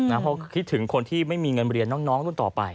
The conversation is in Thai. เพราะคิดถึงคนที่ไม่มีเงินเรียนน้องรุ่นต่อไป